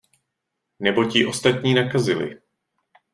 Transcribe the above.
Neboť ji ostatní nakazili.